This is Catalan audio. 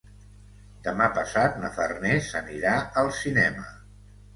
Demà passat na Farners anirà al cinema.